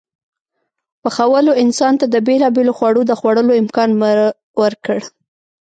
پخولو انسان ته د بېلابېلو خوړو د خوړلو امکان ورکړ.